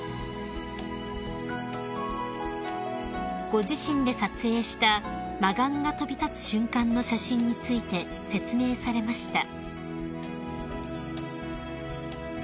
［ご自身で撮影したマガンが飛び立つ瞬間の写真について説明されました］